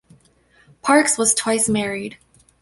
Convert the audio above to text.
Parkes was twice married.